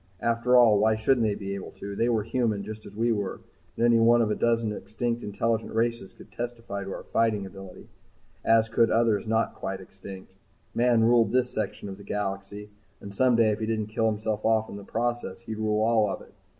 After all, why shouldn't they be able to? They were human, just as we were, and any one of a dozen extinct intelligent races could testify to our fighting ability, as could others not quite extinct. Man ruled this section of the galaxy, and someday if he didn't kill himself off in the process he'd rule all of it.